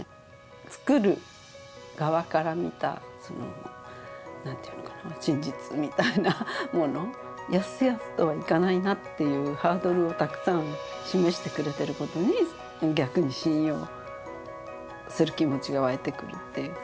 作る側から見た何ていうのかな真実みたいなものやすやすといかないなというハードルをたくさん示してくれてる事に逆に信用する気持ちが湧いてくるっていうか。